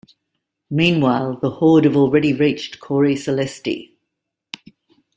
Meanwhile, the Horde have already reached Cori Celesti.